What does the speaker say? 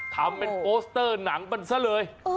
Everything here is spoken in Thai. ทำเป็นโปสเตอร์หนังมันซะเลย